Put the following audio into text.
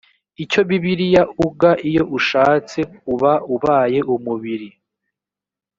icyo bibiliya uga iyo ushatse uba ubaye umubiri